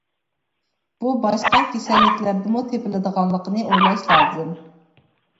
بۇ باشقا كېسەللىكلەردىمۇ تېپىلىدىغانلىقىنى ئويلاش لازىم.